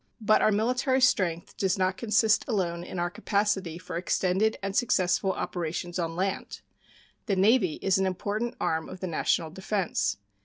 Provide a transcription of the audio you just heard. But our military strength does not consist alone in our capacity for extended and successful operations on land. The Navy is an important arm of the national defense.